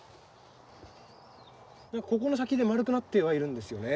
ここの先で丸くなってはいるんですよね。